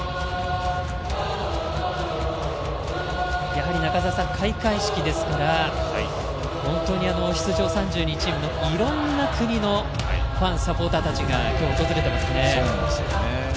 やはり中澤さん、開会式ですから本当に出場３２チームのいろいろな国のファンサポーターたちが今日、訪れていますね。